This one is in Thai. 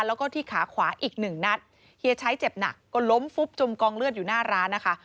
แล้วก็ที่ขาขวาอีกหนึ่งนัดเฮียชัยเจ็บหนักก็ล้มฟุบจมกองเลือดอยู่หน้าร้านนะคะ